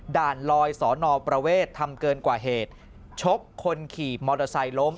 ด่านลอยสอนอประเวททำเกินกว่าเหตุชกคนขี่มอเตอร์ไซค์ล้ม